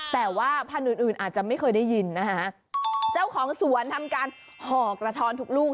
แต่ว่าพันธุ์อื่นอื่นอาจจะไม่เคยได้ยินนะคะเจ้าของสวนทำการห่อกระท้อนทุกลูก